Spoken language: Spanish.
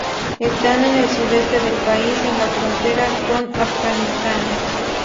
Esta en el sudeste del país, en la frontera con Afganistán.